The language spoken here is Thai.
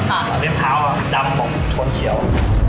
ตั้งแต่แพรพาวค่ะดำผมคนเคียว